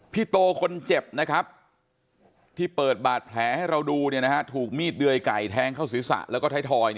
พี่โตคนเจ็บนะครับที่เปิดบาดแผลให้เราดูถูกมีดเดยไก่แทงเข้าศีรษะแล้วก็ไทยทอย